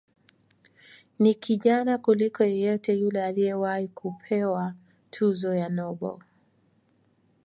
Ni kijana kuliko yeyote yule aliyewahi kupewa tuzo ya Nobel.